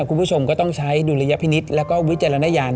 คุณผู้ชมก็ต้องใช้ดุลยพินิษฐ์แล้วก็วิจารณญาณ